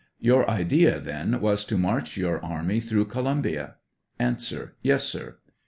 Your idea, then, was to march your army through Columbia ? A. Yes, sir.